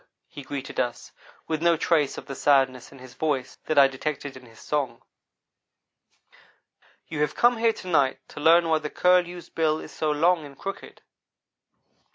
he greeted us, with no trace of the sadness in his voice that I detected in his song. "You have come here to night to learn why the Curlew's bill is so long and crooked.